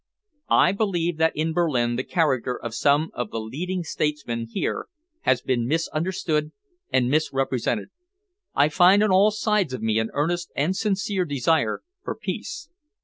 I believe that in Berlin the character of some of the leading statesmen here has been misunderstood and misrepresented. I find on all sides of me an earnest and sincere desire for peace.